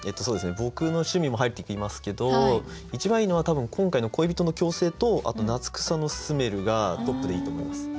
僕の趣味も入ってきますけど一番いいのは多分今回の「恋人の嬌声」とあと「夏草のスメル」がトップでいいと思います。